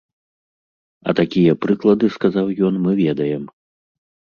А такія прыклады, сказаў ён, мы ведаем.